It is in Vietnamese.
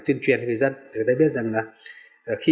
tuyên truyền thì phải mươi dầm thắm lâu